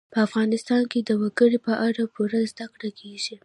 په افغانستان کې د وګړي په اړه پوره زده کړه کېږي.